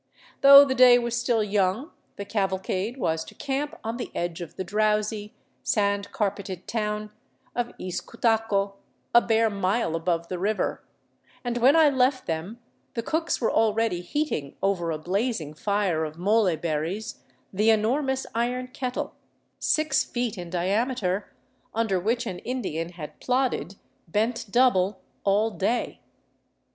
Though the day was still young, the cavalcade was to camp on the edge of the drowsy, sand carpeted town of Izcutaco, a bare mile above the river, and when I left them the cooks were already heating over a blazing fire of molle berries the enormous iron kettle, six feet in diameter, under which an Indian had plodded, bent double, all day.